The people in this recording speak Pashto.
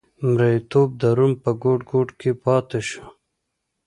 مریتوب د روم په ګوټ ګوټ کې پاتې شو.